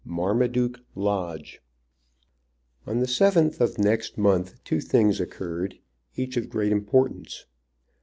MARMADUKE LODGE. On the 7th of next month two things occurred, each of great importance.